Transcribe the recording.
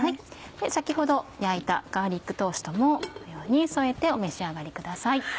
先ほど焼いたガーリックトーストもこのように添えてお召し上がりください。